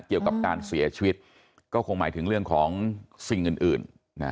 เกี่ยวกับการเสียชีวิตก็คงหมายถึงเรื่องของสิ่งอื่น